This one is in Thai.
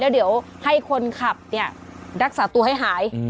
แล้วเดี๋ยวให้คนขับเนี้ยรักษาตัวให้หายอืม